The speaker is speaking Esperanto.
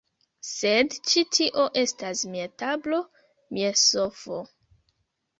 Sed ĉi tio estas mia tablo; mia sofo